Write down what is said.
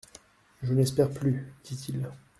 Je n'espère plus, dit-il.